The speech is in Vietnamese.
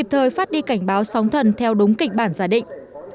kịp thời phát đi cảnh báo sóng thần theo đúng kịch bản giả định